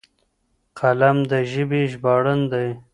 قلم د ژبې ژباړن دی.